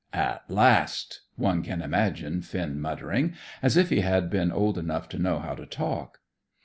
"At last!" one can imagine Finn muttering, if he had been old enough to know how to talk.